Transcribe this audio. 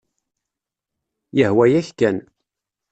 Yehwa-yak kan.